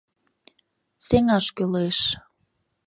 Сеҥаш кӱлеш.